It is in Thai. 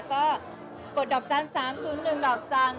ก็กดดอกจันทร์๓๐๑ดอกจันทร์